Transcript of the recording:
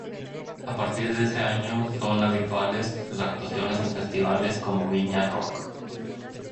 A partir de ese año son habituales sus actuaciones en festivales como Viña Rock.